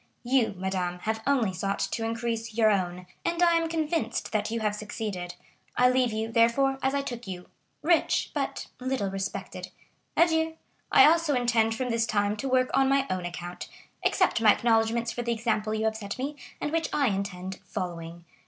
You, madame, have only sought to increase your own, and I am convinced that you have succeeded. I leave you, therefore, as I took you,—rich, but little respected. Adieu! I also intend from this time to work on my own account. Accept my acknowledgments for the example you have set me, and which I intend following.